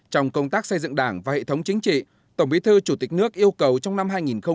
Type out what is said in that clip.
trong công tác xây dựng đảng và hệ thống chính trị tổng bí thư chủ tịch nước yêu cầu trong năm hai nghìn hai mươi